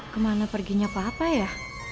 kemana perginya papa ya